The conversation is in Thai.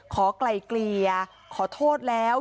ขอกลายเกลียขอโทษแล้ว